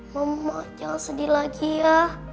mama jangan sedih lagi ya